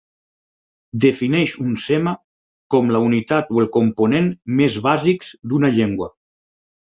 Defineix un "sema" com la unitat o el component més bàsics d'una llengua.